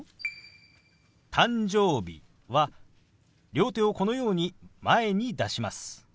「誕生日」は両手をこのように前に出します。